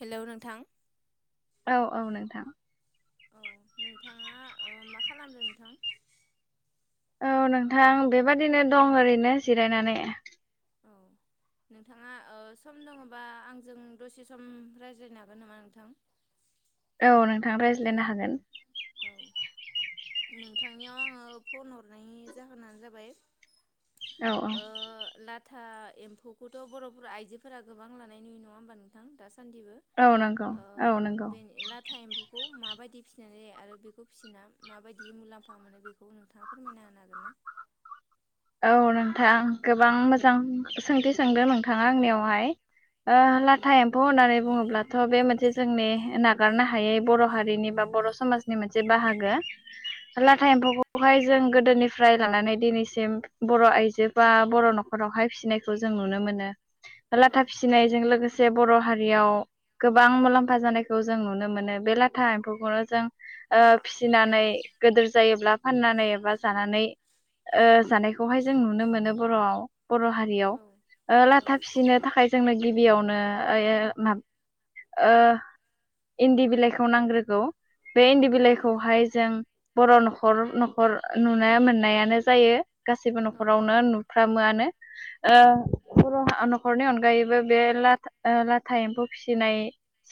Hello नोंथां। औ औ नोंथां। औ नोंथाङा ओ मा खालामदों नोंथां? औ नोंथां बेबादिनो दं ओरैनो जिरायनानै। औ। नोंथाङा ओ सम दङबा आंजों दसे सम रायज्लायनो हागोन नामा नोंथां? [inaudible] औ नोंथाङा रायज्लायनो हागोन। औ। नोंथांनियाव आङो फन हरनायनि जाहोनानो जाबाय औ औ। था एम्फौखौथ' बर' आइजोफोरा गोबां लानाय नुयो नङा होनोमबा नोंथां दास सान्दिबो औ औ नंगौ ओ औ नंगौ बे लाथा एम्फौखौ माबादि फिसिनाय जायो। आरो बेखौ फिसिना माबायदि मुलाम्फा मोनो बेखौ नोंथाङा फोरमायना होनो हागोन ना? औ नोंथां गोबां मोजां सोंथि सोंदों नोंथाङा आंनियावहाय। ओ औ लाथा एम्फौ होननानै बुङो ब्लाथ' बे मोनसे जोंनि नागारनो हायै बर' हारिनि बा बर' समाजनि मोनसे बाहागो। औ लाथा एम्फौखौहाय जों गोदोनिफ्राय लानानै दिनैसिम बर' आइजो बा बर' न'खरावहाय फिसिनायखौ जों नुनो मोनो। औ लाथा फिसिनायजों लोगो से बर' हारियाव गोबां मुलाम्फा जानायखौ जों नुनो मोनो। बे लाथा एम्फौखौनो जों ओ फिसिनानै गेदोर जायोब्ला फाननानै एबा जानानै खौहाय जों नुनो मोनो बर'आव बर' हारियाव। औ ओ लाथा फिसिनो थाखाय जोंनो गिबियावनो ओयो मा ओ इन्दि बिलाइखौ नांग्रोगौ। बे इन्दि औ बिलाइखौहाय औ जों बर' न'खर न'खर नुनो मोननायानो जायो। गासैबो औ न'खरावनो नुफ्रामोआनो। ओ बर' न'खरनि अनगायैबो बे ला-लाथा एम्फौ फिसिनाय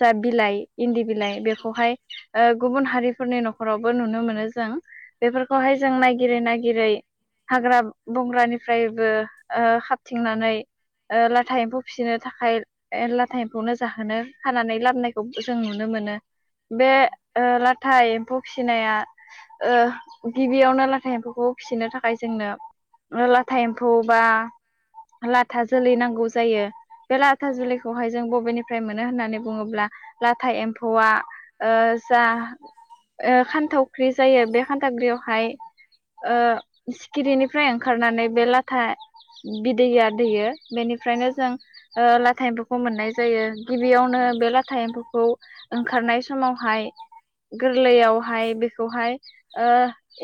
जा बिलाइ इन्दि बिलाइ औ बेखौहाय ओ गुबुन हारिफोरनि न'खरावबो नुनो मोनो जों। औ बेफोरखौहाय जों नायगिरै नायागिरै हाग्रा बंग्रानिफ्रायबो ओ हारथिंनानै ओ लाथा एम्फौ फिसिनो थाखाय लाथा एम्फौनो जाहोनो खानानै लाबोनायखौ जों नुनो मोनो। औ बे ओ लाथा एमफौ फिसिनाया ओ गिबियावनो लाथा एमफौखौ फिसिनो था जोंनो लाथा एमफौ बा लाथा जोलै नांगौ जायो बे लाथा जोलैखौहाय जों बबेनि फ्राय मोनो होननानै बुङोब्ला लाथा एम्फौआ ओ जा ओ खानथावख्रि जायो बे खान्थावख्रियावहाय ओ सिखिरिनिफ्राय ओंखारनानै बे लाथा बिदैया दैयो बेनिफ्रायनो जों ओ लाथा एम्फौखौ मोननाय जायो गिबियावनो बे लाथा एम्फौखौ ओंखारनाय समावहाय गोरलैयावहाय बेखौहाय ओ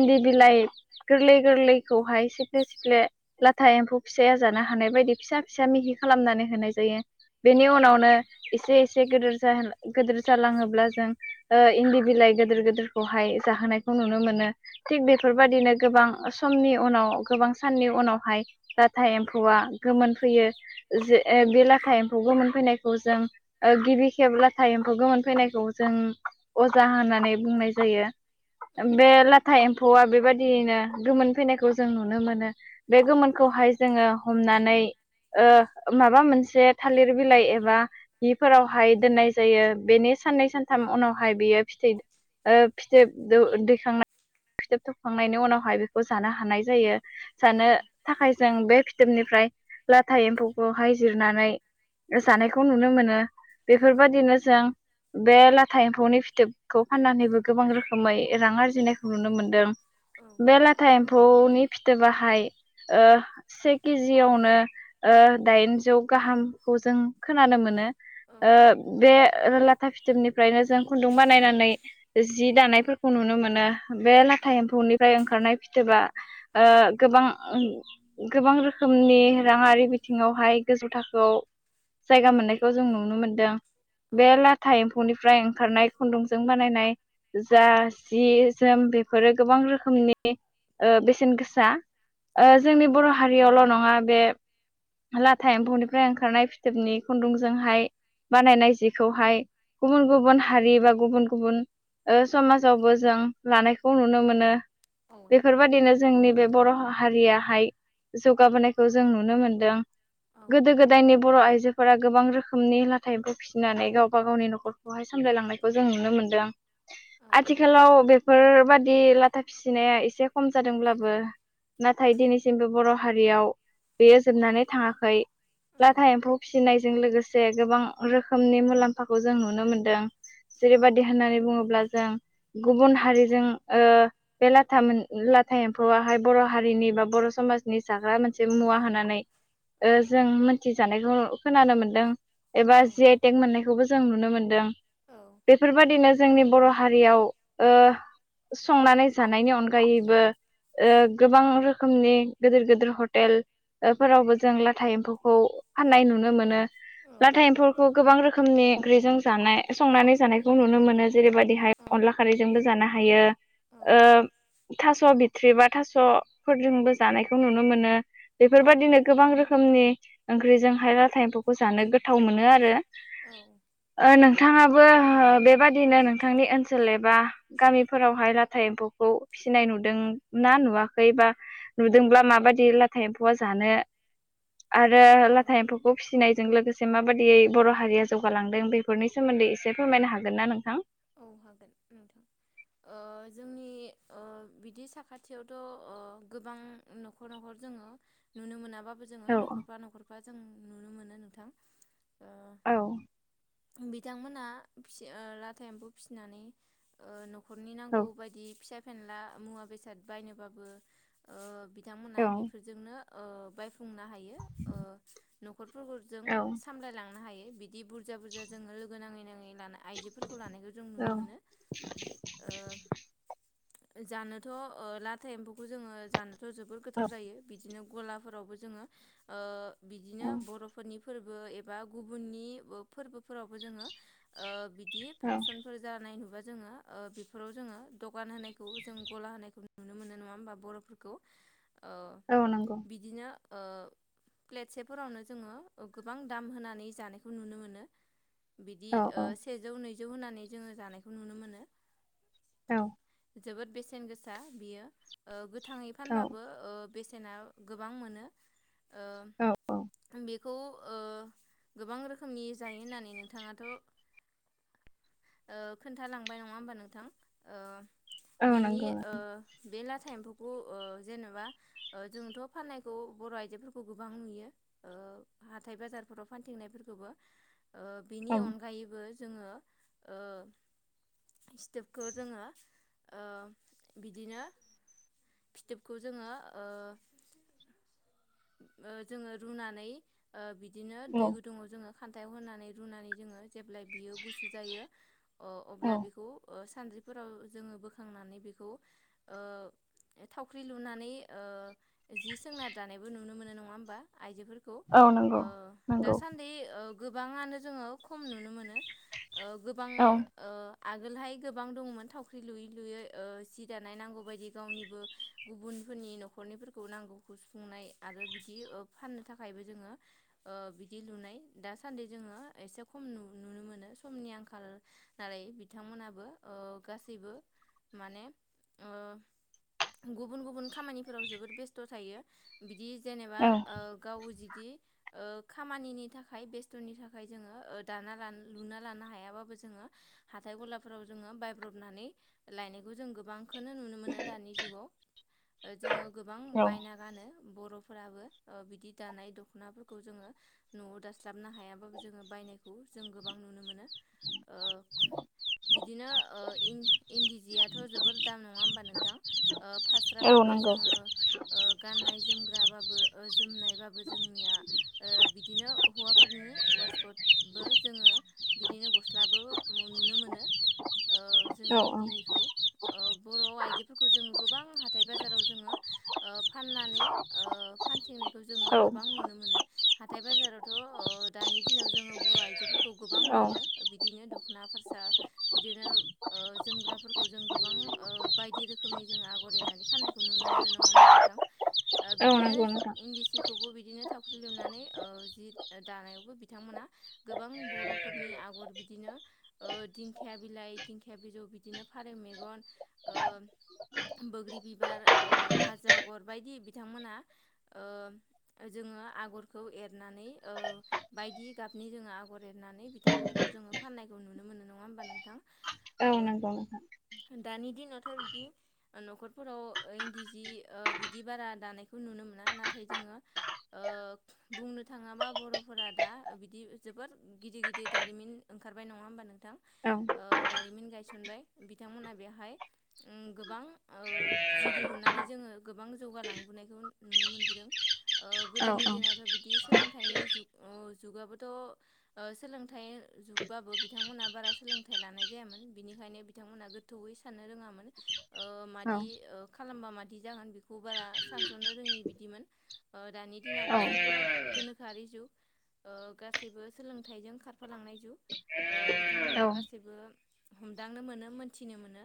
इन्दि बिलाइ गोरलै गोरलैखौहाय सिफ्ले सिफ्ले लाथा एम्फौ फिसाया जानो हानाय बायदि फिसा फिसा मिहि खालाम खालामनानै होनाय जायो बेनि उनावनो एसे एसे गेदेर जाहां गोदोर जालाङोब्ला जों ओ इन्दि बिलाइ गोदोर गोदोरखौहाय जाहोनायखौ नुनो मोनो। थिक बेफोरबादिनो गोबां समनि उनाव गोबां साननि उनावहाय लाथा एम्फौआ गोमोनफैयो। जे बे लाथा एम्फौ गोमोन फैनायखौ जों ओ गिबि खेब लाथा एम्फौ गोमोन फैनायखौ जो जों अजा होननानै बुंनाय जायो बे लाथा एम्फौआ बेबाय दियैनो गोमोन फैनायखौ जों नुनो मोनो बे गोमोनखौहाय जोङो हमनानै ओ माबा मोनसे थालिर बिलाइ एबा हिफोरावहाय दोननाय जायो बेनि साननै सानथाम उनावहाय बेयो फिथै ओ फिथोब दौ दैखांना फिथोब खांनायनि उनावहाय बेखौ जानो हानाय जायो। जानो थाखाय जों बे फिथोबनिफ्राय ला था एम्फौखौहाय जिरनानै जानायखौ नुनो मोनो बेफोरबादिनो जों बे लाथा एम्फौनि फिथोबखौ फाननानैबो गोबां रोखोमै रां आरजिनायखौ नुनो मोनदों। बे लाथा एम्फौनि फिथोबाहाय ओ से केजियावनो ओ दाइनजौ गाहामखौ जों खोनानो मोनो। ओ बे लाथा फिथोबनिफ्रायनो जों खुन्दुं बानायनानै जि दानायफोरखौ नुनो मोनो। बे लाथा एम्फौनि ओंखारनाय फिथोबा ओ गोबां गोबां रोखोमनि राङारि बिथिं ङावहाय गोजौ थाखोआव जायगा मोननायखौ जों नुनो मोनदों। बे लाथा एम्फौनिफ्राय ओंखारनाय खुन्दुंजों बानायनाय जा जि जोम बेफोरो गोबां रोख खोमनि ओ बेसेन गोसा ओ जोंनि बर' हारियावल' नङा बे लाथा एम्फौनिफ्राय ओंखारनाय फिथोबनि खुन्दुंजोंहाय बानायनाय जिखौहाय गुबुन गुबुन हारि बा गुबुन गुबुन ओ समाजावबो जों लानायखौ नुनो मोनो बेफोरबादिनो जोंनि बे बर' हारियाहाय जौगाबोनायखौ जों नुनो मोनदों। गोदो गोदायनि बर' आइजो फोरा गोबां रोखोमनि लाथा एम्फौ फिनानै गावबा गावनि न'खरखौहाय सामलायलांनायखौ जों नुनो मोनदों। आथिखालाव बेफोरबादि लाथा फिसिनाया एसे खम जादोंब्लाबो नाथाय दिनैसिमबो बर' हारियाव बेयो जोबनानै थाङाखै। लाथा एम्फौ फिसिनायजों लोगोसे गोबां रोखोमनि मुलाम्फाखौ जों नुनो मोनदों। जेरैबादि होननानै बुङोब्ला जों गुबुन हारिजों ओ बे लाथा मोन लाथा एम्फौआहाय बर' हारिनि बा बर' समाजनि जाग्रा मोनसे मुवा होननानै ओ जों मोनथिजानायखौ खोनानो मोनदों एबा जि आइ टेक मोननायखौबो जों नुनो मोनदों। औ बेफोरबायदिनो जोंनि बर' हारियाव ओ संनानै जानायनि अनगायैबो ओ गोबां रोखोमनि गोदोर गोदोर हटेल फोरावबो जों लाथा एम्फौखौ फाननाय नुनो मोनो। औ लाथा एम्फौखौ गोबां रोखोमनि ओंख्रिजों जानाय संनानै जानायखौ नुनो मोनो। जेरैबादिहाय औ अनला खारैजोंबो जानो हायो। औ जों थास' बिथ्रि बा थास' फोरजोंबो जानायखौहाय नुनो मोनो। औ बेफोरबायदि गोबां रोखोमनि ओंख्रिजों लाथा एम्फौ जानो गोथावमोनो आरो औ ओ नों थाङाबो ओ बेबादिनो नोंथांनि ओनसोल एबा गामिफोरावहाय लाथा एम्फौखौ फिसिनाय नुदोंना नुवाखै बा नुदोंब्ला माबायदि लाथा एम्फौआ जानो [inaudible] आरो लाथा एम्फौखौ फिसिनायजों लोगोसे माबादियै बर हारिया जौगालांदों बेफोरनि सोमोन्दै एसे फोरमायनो हागोन ना नोंथां? औ हागोन नोंथां। ओ जोंनि ओ बिदि साखाथियावथ' ओ गोबां न'खराव जोंङो नुनो मोनाबाबो जोंङो औ नखरफा नखरफा जों नुनो मोनो नोंथां। ओ औ बिथांमोना फिसि ओ लाथा एम्फौ फिसिनानै ओ न' खरनि नांगौ बायदि फिसा-फेनला मुवा बेसाद बायनोबाबो ओ बिथांमोनहा औ बेफोरजोंनो ओ बायफुंनो हायो ओ न'खरफोरखौ जों औ सामलायलांनो हायो बिदि बुरजा बुरजा जोंङो लोगो नाङै नाङै लानाय खौ जों नुनो मोनो। औ ओ जानोथ ओ लाथा एम्फौखौ जोंङो जानोथ जोबोर गोथाव जायो बिदिनो गलाफोरावबो जोंङो ओ बिदिनो औ बरफोरनि फोरबो एबा गुबुननि ओ फोरबोफोरावबो जोंङो ओ‌ बिदि औ फांसनफोर जानाय नुबा जोङो ओ बेफोराव जोंङो दखान होनायखौ जों गला होनायखौ नुनो मोनो नङा होमबा? बरफोरखौ ओ औ, नंगौ। बिदिनो ओ प्लेटसेफोरावनो जोंङो ओ गोबां दाम होनानै जानायखौ नुनो मोनो। बिदि औ औ ओ सेजौ नैजौ होनानै जोंङो जानायखौ नुनो मोनो। औ जोबोद बेसेन गोसा बियो ओ गोथाङै औ फानबाबो ओ बेसेना गोबां मोनो। औ औ ओ बे खौ ओ गोबां रोखोमनि जायो होननानै नोंथाङाथ ओ खोन्थालांबाय नङा होमबा नोंथां? ओ औ बेनि नंगौ ओ बे लाथा एम्फौखौ ओ जेनेबा ओ‌ जोंथ' फाननायखौ बर' आइजोफोरखौ गोबां नुयो। ओ हाथाय बाजारफोराव फानथिंनाय फोरखौबो बिनि औ अनगायैबो जोंङो ओ फिथोबखौ जोंङो ओ‌ बिदिनो फिथोबखौ जोंङो ओ जोंङो रुनानै ओ बिदिनो औ दै गुदुङाव जोंङो खान्थायाव होनानै रुनानै जोंङो जेब्ला बियो गुसु जायो अ-अब्ला औ बेखौ ओ सानद्रिफोराव जोंङो बोखांनानै बेखौ ओ थावख्रि लुनानै ओ जि सोंना दानायबो नुनो मोनो नङा होमबा आइजोफोरखौ। औ ओ नोंगौ नोंगौ। दासान्दि ओ गोबाङानो जोंङो खम नुनो मोनो ओ‌ गोबां औ ओ आगोलहाय गोबां दंमोन थावख्रि लुयै लुयै ओ जि दानाय नांगौ बायदि गावनिबो गुबुन फोरनि नखरनिफोरखौ नांगौखौ सुफुंनाय आरो बिदि ओ फाननो थाखायबो जोंङो ओ बिदि लुनाय दासान्दि जोंङो एसे खम नुनो मोनो समनि आंखाल नालाय बिथांमोनाबो ओ गासैबो माने ओ गुबुन गुबुन खामानिफोराव जोबोद बेस्थ थायो। बिदि जेनेबा औ ओ गाव जि दि ओ खामानिनि थाखाय बेस्थनि थाखाय जोंङो ओ दाना लानो लुना लानो हायाबाबो जोंङो हाथाय गलाफोराव जोंङो बायब्रबनानै लायनायखौ जों गोबां- खोनो नुनो मोनो दानि जुगाव ओ जोङो गोबां बायना गानो, बर'फोराबो ओ बिदि दानाय द'खना फोरखौ जोङो न'आव दास्लाबनो हायाबाबो जोङो बाय नायखौ जों गोबां नुनो मोनो ओ, बिदिनो ओ इन इन्दि जियाथ' जोबोर दाम नङा होमबा नोंथां ओ फास्राबाबो [unintelligible] ओ गाननाय दाबाबो ओ जोमनायबाबो जोंनिया ओ बिदिनो हौवाफोरनि वासकट, बो जोङो बिदिनो गस्लाबो नुनो मोनो, ओ औ जोङो इन्दिनिखौ ओ बर' आइजोफोरखौ जों गो बां हाथाइ बाजाराव जोङो ओ फाननानै, ओ फानथिंनायखौ जोङो औ गोबां नुनो मोनो, हाथाय बाजारावथ' ओ दानि दिनाव जोङो बर' आइजोफोरखौ गोबां औ नुयो बिदिनो बिदिनो द'खना फारसा बिदिनो ओ जोमग्राफोरखौ जों गोबां ओ बायदि रोखोमनि जों आ आगर एरनानै फाननायखौ नुनो मोनो नङा होमबा नोंथां ओ औ बिदिनो नंगौ नोंथां इन्दि सिखौ बो बिदिनो थावख्रि लुनानै ओ जि ओ दानायावबो बिथांमोना गोबां बर'फोरनि आग आगर बिदिनो ओ दिंखिया बिलाइ दिंखिया बिजौ बिदिनो फारेव मेगन ओ, बोग्रि बिबार ओ हाजो आगर बायदि बि बिथांमोना ओ ओजोङो आगरखौ एरनानै ओ बायदि गाब, नि जोङो आगर एरनानै बिथांमोनखौ जोङो फान्नायखौ नुनो मोनो नङा होमबा नोंथां औ ओ, नंगौ नोंथां दानि दिनावथ' बिदि न'खरफोराव ओ इन्दि जि ओ बिदि बारा, दानायखौ नुनो मोना नाथाय जोङो ओ बुंनो थाङाबा बर'फोरा दा बिदि, जोबोर गिदिर गिदिर दारिमिन ओंखारबाय नङा होमबा नोंथां औ ओ दारिमिन गायसनबाय, बिथांमोना बेहाय उम गोबां ओ जि दिहुननानै जोङो गोबां जौगालां फुनायखौ नुनो मोनबोदों ओ औ गोदोनि औ दिनाथ' बिदि सोलोंथाइनि जुग अ जुगाबोथ' थ' ओ सोलोंथाइ जुगबाबो बिथांमोनहा बारा सोलोंथाइ लानाय जायामोन बिनिखायनो बिथां, मोना गोथौवै साननो रोङामोन ओ औ मादि ओ खालामबा मादि जागोन बेखौ बारा, सानस'नो रोङि बिदिमोन ओ दानि दिनाव गासैबो गोनोखोआरि जुग ओ गासैबो सोलोंथाइजों खारफालांनाय जुग ओ बिथांमोना गासैबो हमदांनो मोनो मोनथिनो मोनो,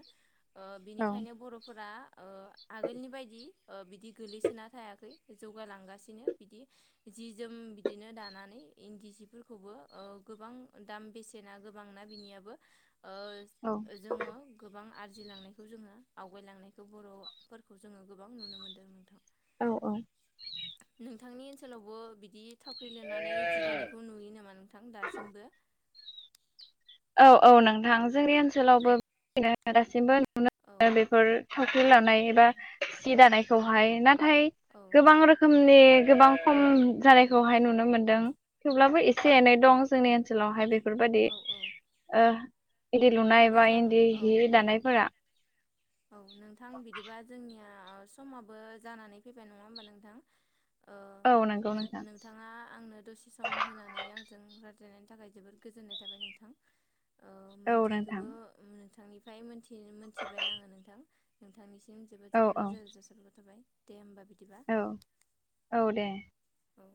ओ बिनिखायनो बर'फोरा ओ आगोलनि बायदि ओ बिदि, गोलैसोना थायाखै जौगालांगासिनो बिदि जि जोम बिदिनो दानानै इन्दि, जिफोरखौबो ओ गोबां दाम बेसेना गोबांना बिनियाबो ओ जों जोङो गोबां आरजिलांनायखौ जोङो आवगायलांनायखौ बर'फोरखौ जोङो गोबां नुनो मोन्दों, औ औ नोंथांनि ओनसोलावबो बिदि थावख्रि लिरनानै जि दानायखौ नुयो नामा? नोंथां दासिमबो। औ औ नोंथां जोंनि ओनसोलावबो [unintelligible] ओ दासिमबो नुनो औ ओ बेफोर, थावख्रि लानाय एबा सि दानायखौहाय नाथाय औ गोबां रोखोम नि गोबां खम जानायखौहाय नुनो मोनदों थेवब्लाबो औ एसे एनै दं जोंनि ओनसोलावहाय बेफोरबादि औ ओ इन्दि औ लुनाय बा बिथां इन्दि औ हि औ दानायफोरा औ नोंथां बिदिबा जोंनिया आ समाबो जानानै फैबाय नङा होमबा नोंथां, ओ औ नंगौ नोंथां नोंथाङा आंनो दसे सम होनानै आंजों राय रायज्लायनायनि थाखाय जोबोद गोजोननाय थाबाय नोंथां ओ, औ नोंथां मिथिखोबो ओ नोंथांनिफ्राय मोनथिनो मोनथिबाय आङो नोंथां नोंथां निसि जोबोद औ जबोद औ रोजा रोजा साबायखर थाबाय दे होमबा बिद औ औ दे औ